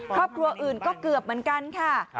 ครอบครัวอื่นก็เกือบเหมือนกันค่ะ